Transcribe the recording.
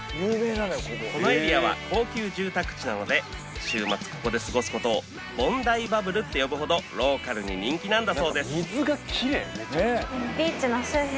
このエリアは高級住宅地なので週末ここで過ごすことをボンダイバブルって呼ぶほどローカルに人気なんだそうです